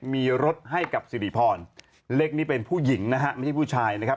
มีรถให้กับสิริพรเล็กนี้เป็นผู้หญิงนะฮะไม่ใช่ผู้ชายนะครับ